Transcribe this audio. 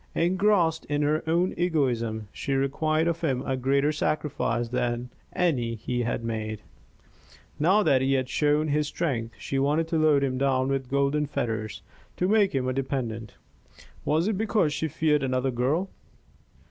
Engrossed in her own egoism, she required of him a greater sacrifice than any he had made. Now that he had shown his strength, she wanted to load him down with golden fetters to make him a dependent. Was it because she feared another girl?